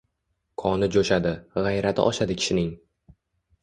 Qoni joʻshadi, gʻayrati oshadi kishining.